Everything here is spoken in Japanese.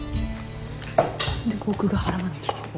何で僕が払わなきゃいけない。